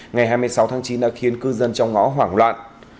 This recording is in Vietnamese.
ngày hai mươi sáu tháng chín đã khiến cư dân trong ngõ hoảng loạn